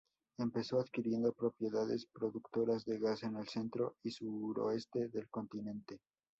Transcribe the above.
Empezó adquiriendo propiedades productoras de gas en el centro y suroeste del continente.